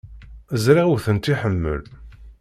Ẓriɣ ur tent-iḥemmel.